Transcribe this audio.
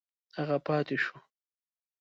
هغه پاته شو.